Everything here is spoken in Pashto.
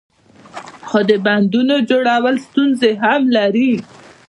خو د بندونو جوړول ستونزې هم لري.